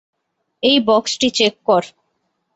এই বক্সটি চেক কর।